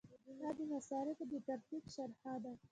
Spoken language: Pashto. دا د مصارفو د ترتیب شرحه ده.